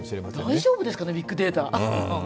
大丈夫ですかねビッグデータ。